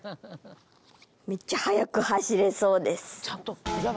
めっちゃ速く走れそうです。